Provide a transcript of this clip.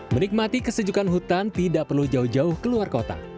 menikmati kesejukan hutan tidak perlu jauh jauh keluar kota